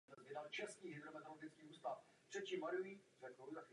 Byl to první let z Programu Gemini.